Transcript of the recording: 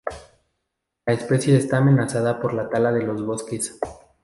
La especie está amenazada por la tala de los bosques.